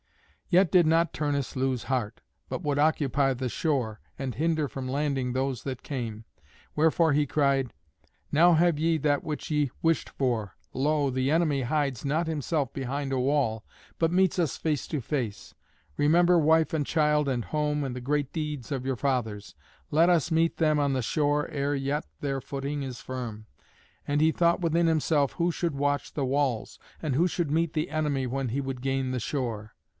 Yet did not Turnus lose heart, but would occupy the shore, and hinder from landing those that came. Wherefore he cried, "Now have ye that which ye wished for. Lo! the enemy hides not himself behind a wall, but meets us face to face. Remember wife and child and home and the great deeds of your fathers. Let us meet them on the shore ere yet their footing is firm." And he thought within himself who should watch the walls, and who should meet the enemy when he would gain the shore.